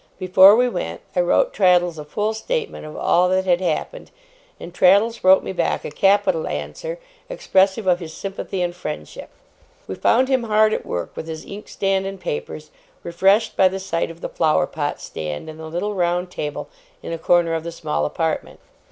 Before we went, I wrote Traddles a full statement of all that had happened, and Traddles wrote me back a capital answer, expressive of his sympathy and friendship. We found him hard at work with his inkstand and papers, refreshed by the sight of the flower pot stand and the little round table in a corner of the small apartment.